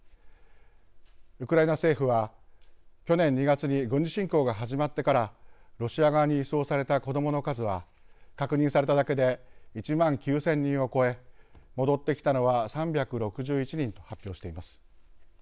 ウクライナ政府は、去年２月に軍事侵攻が始まってからロシア側に移送された子どもの数は、確認されただけで１万９０００人を超え戻ってきたのは３６１人と発表しています。